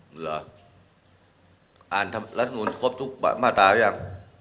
หรืออ่านรัฐบาลครับรศนูนคุ้มภาษาไว้ยัง